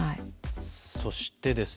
そしてですね